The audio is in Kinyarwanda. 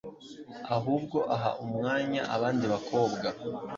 ahubwo aha umwanya abandi bakobwa